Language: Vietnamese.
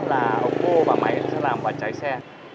là ống vô và máy sẽ làm và cháy xe